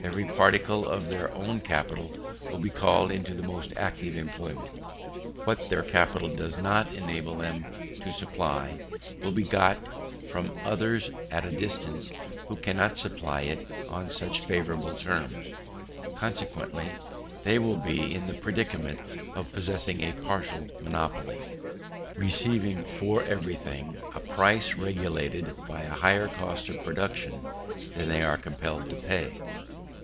Every particle of their own capital will be called into the most active employment. What their capital does not enable them to supply, will be got from others at a distance, who cannot supply it on such favourable terms; consequently they will be in the predicament of possessing a partial monopoly receiving for every thing a price regulated by a higher cost of production than they are compelled to pay.